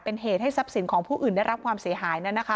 เป็นเหตุให้ทรัพย์สินของผู้อื่นได้รับความเสียหายนั้นนะคะ